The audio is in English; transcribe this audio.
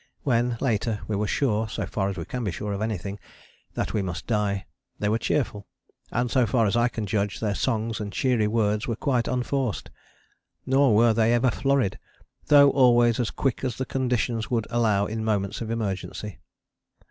When, later, we were sure, so far as we can be sure of anything, that we must die, they were cheerful, and so far as I can judge their songs and cheery words were quite unforced. Nor were they ever flurried, though always as quick as the conditions would allow in moments of emergency.